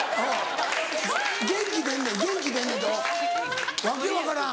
「元気出んねん元気出んねん」って訳分からん。